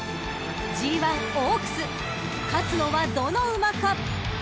［ＧⅠオークス勝つのはどの馬か！］